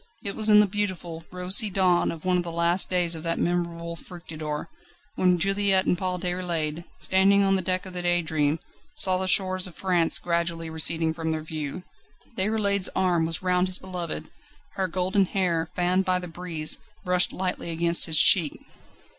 It was in the beautiful, rosy dawn of one of the last days of that memorable Fructidor, when Juliette and Paul Déroulède, standing on the deck of the Daydream, saw the shores of France gradually receding from their view. Déroulède's arm was round his beloved, her golden hair, fanned by the breeze, brushed lightly against his cheek.